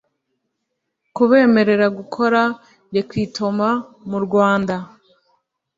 kubemerera gukora recruitments mu Rwanda